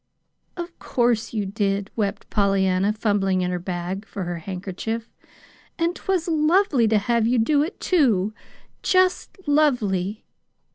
"Of course you did," wept Pollyanna, fumbling in her bag for her handkerchief. "And 'twas lovely to have you do it, too, just lovely."